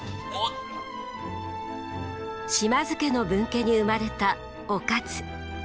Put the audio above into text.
島津家の分家に生まれた於一。